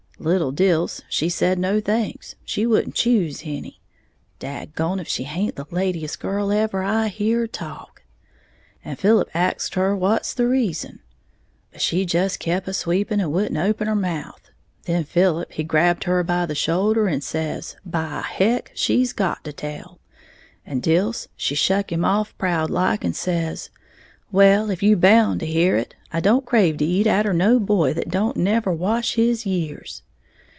Little Dilse she said no thanks, she wouldn't choose any (dag gone if she haint the ladyest girl ever I heared talk!); and Philip axed her what's the reason. But she just kep' a sweeping, and wouldn't open her mouth. Then Philip he grabbed her by the shoulder, and says, by Heck, she's got to tell. And Dilse she shuck him off proud like, and says, 'Well, if you bound to hear it, I don't crave to eat atter no boy that don't never wash his years!'